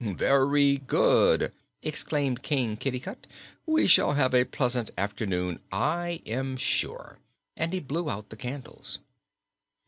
"Very good!" exclaimed King Kitticut. "We shall have a pleasant afternoon, I am sure," and he blew out the candles.